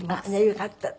よかった。